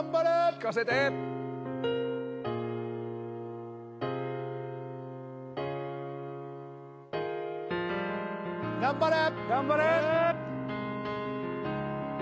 聴かせて頑張れ！